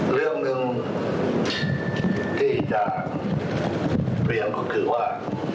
เรื่องหนึ่งที่จะเรียนก็คือว่า